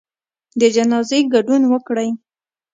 د جنازې ګډون وکړئ